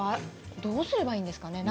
どうすればいいんですかね。